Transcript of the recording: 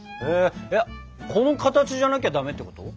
この形じゃなきゃダメってこと？